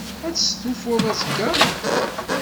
Ad testufuḍ azekka?